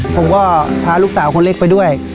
ผมก็พาลูกสาวคนเล็กไปด้วย